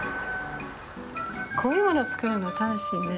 こういうもの作るの楽しいね。